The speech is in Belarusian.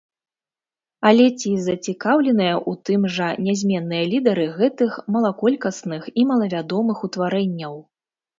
Але ці зацікаўленыя ў тым жа нязменныя лідары гэтых малаколькасных і малавядомых утварэнняў?